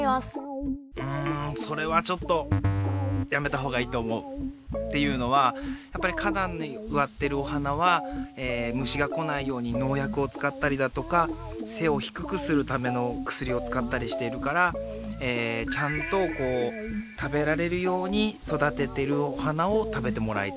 んそれはちょっとやめたほうがいいとおもう。っていうのはやっぱり花だんにうわってるお花はむしがこないようにのうやくをつかったりだとかせをひくくするためのくすりをつかったりしているからちゃんと食べられるように育ててるお花を食べてもらいたい。